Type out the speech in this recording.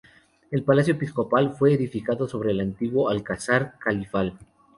El Palacio Episcopal fue edificado sobre el antiguo alcázar califal.